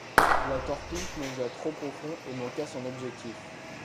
La torpille plongea trop profond et manqua son objectif.